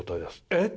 「えっ！？」